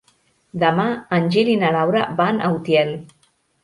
Demà en Gil i na Laura van a Utiel.